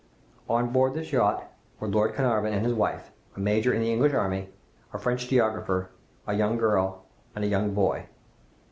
On board this yacht were Lord Glenarvan and his wife, a major in the English army, a French geographer, a young girl, and a young boy.